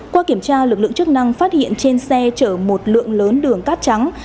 qua kiểm tra lực lượng chức năng phát hiện trên xe chở một lượng lớn đường cát trắng